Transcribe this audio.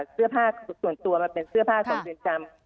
เสื้อผ้าส่วนตัวมันเป็นเสื้อผ้าของเรือนจำ